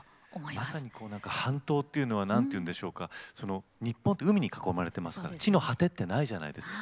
まさに半島っていうのは何ていうんでしょうか日本って海に囲まれてますから地の果てってないじゃないですか。